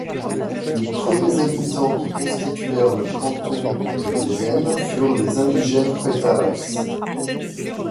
Les premiers habitants qui constituèrent le canton de Belén furent les indigènes huetares.